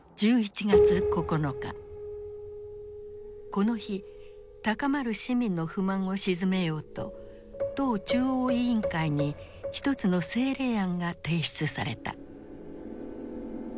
この日高まる市民の不満を鎮めようと党中央委員会に一つの政令案が提出された。